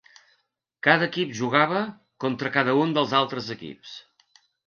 Cada equip jugava contra cada un dels altres equips.